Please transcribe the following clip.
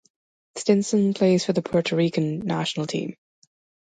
Stinson plays for the Puerto Rican national team.